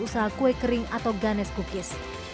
usaha kue kering atau ganes cookis